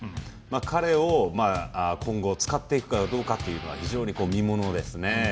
彼を今後使っていくかどうかというのが非常に見ものですね。